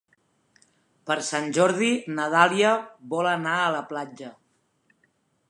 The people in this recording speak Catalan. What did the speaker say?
Per Sant Jordi na Dàlia vol anar a la platja.